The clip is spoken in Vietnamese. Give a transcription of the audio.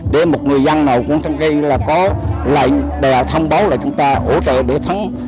để một người dân nào quán trang cây là có lệnh để thông báo là chúng ta ổn định để phấn